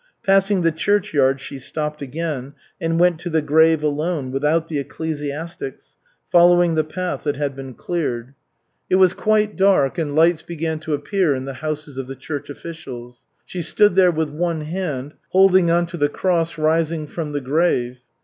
Passing the churchyard she stopped again and went to the grave alone without the ecclesiastics, following the path that had been cleared. It was quite dark, and lights began to appear in the houses of the church officials. She stood there with one hand holding on to the cross rising from the grave.